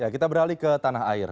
kita beralih ke tanah air